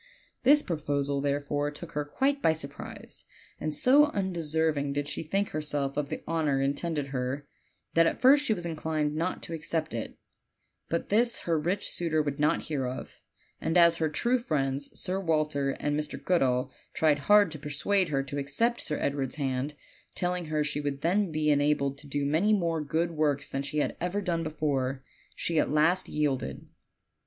This proposal, therefore, took her quite by surprise, and so undeserving did she think herself of the honor intended her that at first she was inclined not to accept it, but this her rich suitor would not hear of; and as her true friends, Sir Walter and Mr. Goodall, tried hard to persuade her to accept Sir Edward's hand, telling her she would then be enabled to do many more good works than she had ever done before, she at last yielded.